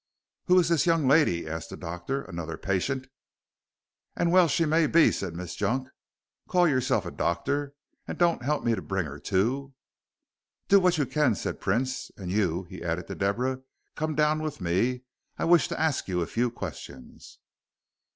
"Who is this young lady?" asked the doctor; "another patient?" "And well she may be," said Miss Junk. "Call yourself a doctor, and don't help me to bring her to." "Do what you can," said Prince, "and you," he added to Deborah, "come down with me. I wish to ask you a few questions."